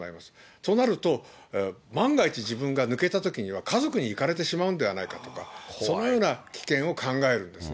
となると、万が一、自分が抜けたときには、家族に行かれてしまうんではないかとか、そのような危険を考えるんですね。